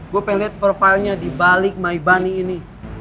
gue pengen lihat vertile nya di balik my boney ini